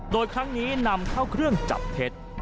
โดยครั้งนี้นำเข้าเครื่องจับเท็จ